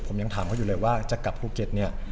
ผมยังถามเขาอยู่เลยว่าจะกลับภูเก็ตเนี่ย